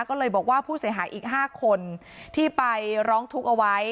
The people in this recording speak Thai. ก็เลยบอกว่าผู้เสียหายอีก๕คนที่ไปร้องทุกข์เอาไว้